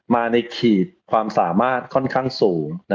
มาในขีดความสามารถค่อนข้างสูง